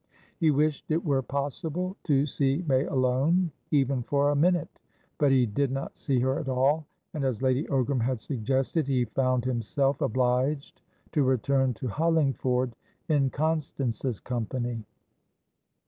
He wished it were possible to see May alone, even for a minute. But he did not see her at all, and, as Lady Ogram had suggested, he found himself obliged to return to Hollingford in Constance's company.